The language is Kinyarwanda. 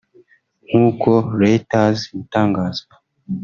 nk’uko Reuters ibitangaza